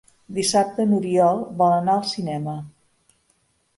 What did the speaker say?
Dissabte n'Oriol vol anar al cinema.